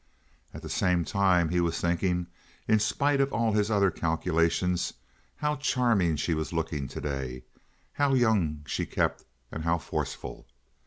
At the same time he was thinking, in spite of all his other calculations, how charming she was looking to day. How young she kept, and how forceful!